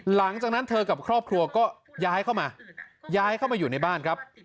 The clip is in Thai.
หลังจากนั้นเธอกับครอบครัวก็ย้ายเข้ามาย้ายเข้ามาอยู่ในบ้านครับ